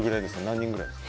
何人ぐらい？